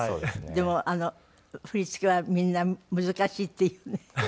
でも振り付けはみんな難しいっていうね。